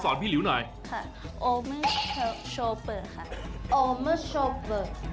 เราสอนพี่ลิ้วหน่อยค่ะโอเมอร์โชว์เปอร์ค่ะโอเมอร์โชว์เปอร์